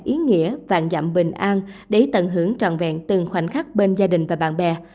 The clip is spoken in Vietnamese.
ý nghĩa vàng dặm bình an để tận hưởng trọn vẹn từng khoảnh khắc bên gia đình và bạn bè